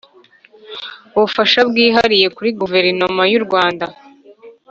ubufasha bwihariye kuri Guverinoma y u Rwanda